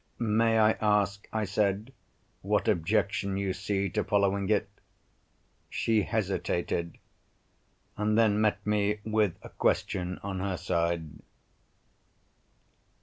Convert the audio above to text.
"May I ask," I said, "what objection you see to following it?" She hesitated—and then met me with a question on her side.